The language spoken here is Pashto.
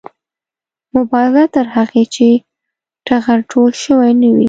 مبارزه تر هغې چې ټغر ټول شوی نه وي